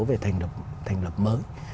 về thành lập mới